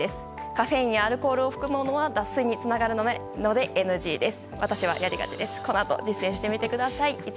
カフェインやアルコールを含むものは脱水につながるのでＮＧです。